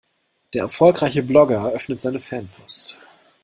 Der erfolgreiche Blogger öffnet seine Fanpost.